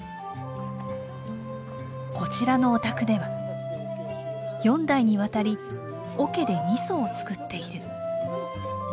こちらのお宅では４代にわたり桶で味噌を造っている。